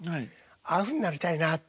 ああいうふうになりたいなあ